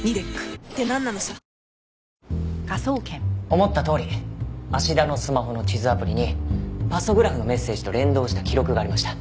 思ったとおり芦田のスマホの地図アプリにパソグラフのメッセージと連動した記録がありました。